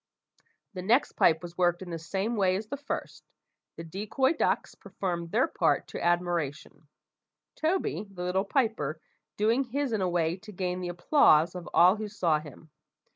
The next pipe was worked in the same way as the first. The decoy ducks performed their part to admiration; Toby, the little piper, doing his in a way to gain the applause of all who saw him.